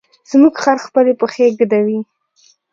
زموږ خر خپلې پښې ږدوي.